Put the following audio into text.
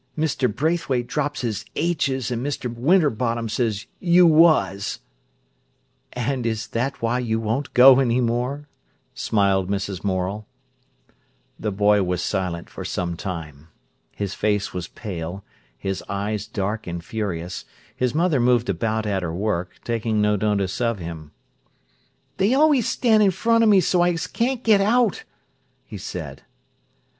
Mr. Braithwaite drops his 'h's', an' Mr. Winterbottom says 'You was'." "And is that why you won't go any more?" smiled Mrs. Morel. The boy was silent for some time. His face was pale, his eyes dark and furious. His mother moved about at her work, taking no notice of him. "They always stan' in front of me, so's I can't get out," he said.